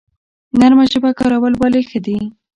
نرمه ژبه کارول ولې ښه دي؟